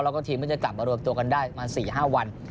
แล้วก็ทีมก็จะกลับมารวมตัวกันได้มา๔๕วัน